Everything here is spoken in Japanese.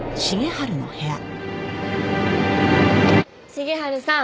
重治さん